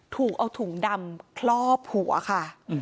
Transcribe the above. ถูกเอาถุงดำคลอบหัวค่ะ